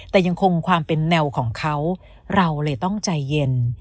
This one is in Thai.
แต่ยังคงความเป็นแนวของเขาเราเลยต้องใจเย็น